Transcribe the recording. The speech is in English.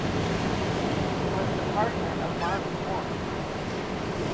He was the partner of Marvin Worth.